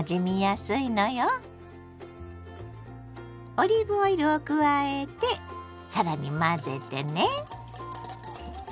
オリーブオイルを加えて更に混ぜてね。